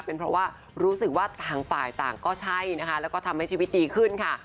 เป็นเพราะว่ารู้สึกว่าต่างฝ่ายต่างก็ใช่นะคะแล้วก็ทำให้ชีวิตดีขึ้นค่ะ